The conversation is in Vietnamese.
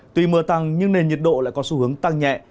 tuy mưa tăng nhưng nền nhiệt độ lại có xu hướng tăng nhẹ